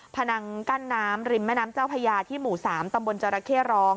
นังกั้นน้ำริมแม่น้ำเจ้าพญาที่หมู่๓ตำบลจรเข้ร้อง